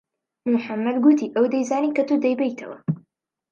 محەممەد گوتی ئەو دەیزانی کە تۆ دەیبەیتەوە.